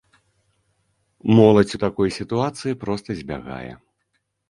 Моладзь у такой сітуацыі проста збягае.